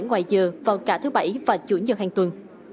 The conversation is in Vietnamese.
ngoài giờ vào cả thứ bảy và chủ nhật hàng tuần